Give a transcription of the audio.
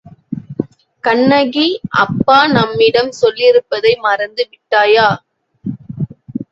கண்ணகி, அப்பா நம்மிடம் சொல்லியிருப்பதை மறந்து விட்டாயா?